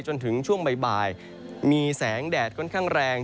จนถึงช่วงบ่ายมีแสงแดดค่อนข้างแรง